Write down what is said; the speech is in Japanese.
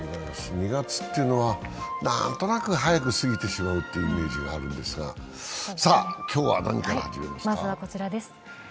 ２月っていうのは何となく早く過ぎてしまうというイメージがあるんですが、今日は何から始めますか？